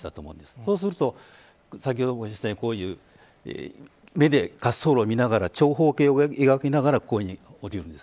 そうすると先ほど見てきたように目で滑走路を見ながら長方形を描きながらこういうふうに降りるんです。